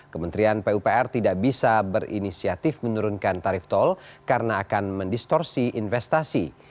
kementerian pupr tidak bisa berinisiatif menurunkan tarif tol karena akan mendistorsi investasi